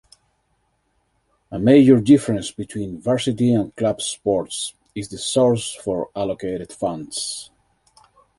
A major difference between varsity and club sports is the source for allocated funds.